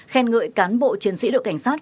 khen ngợi cán bộ chiến sĩ đội cảnh sát